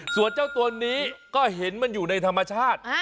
ส่วนเจ้าตัวนี้ก็เห็นมันอยู่ในธรรมชาติ